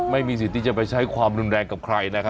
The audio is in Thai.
ไม่มีสิทธิ์ที่จะไปใช้ความรุนแรงกับใครนะครับ